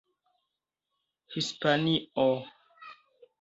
hispanio